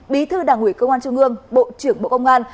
bí thư đảng ủy công an trung ương bộ trưởng bộ công an